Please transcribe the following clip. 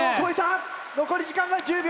残り時間は１０秒。